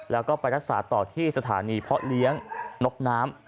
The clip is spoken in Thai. แล้วก็ไปรักษาต่อที่สถานีเพาะเลี้ยงนกน้ำ